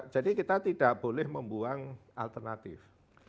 jadi kita tidak boleh membuang alternatif